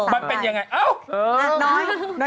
มันเป็นยังไงเอ้า